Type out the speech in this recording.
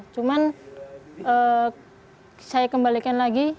cuman saya kembalikan lagi